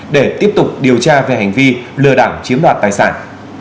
để tiếp tục điều tra về hành vi lừa đảo chiếm đoạt tài sản